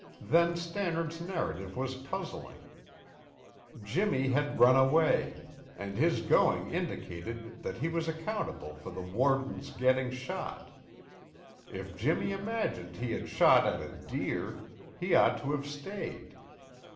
Then Stannard's narrative was puzzling. Jimmy had run away and his going indicated that he was accountable for the warden's getting shot. If Jimmy imagined he had shot at a deer, he ought to have stayed.